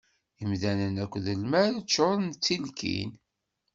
Imdanen akked lmal ččuṛen d tilkin.